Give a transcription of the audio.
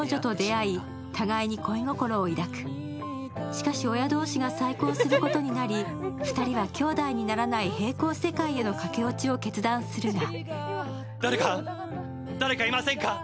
しかし、親同士が再婚することになり、二人は兄妹にならない並行世界への駆け落ちを決断するが。